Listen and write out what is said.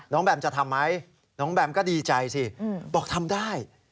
แบมจะทำไหมน้องแบมก็ดีใจสิบอกทำได้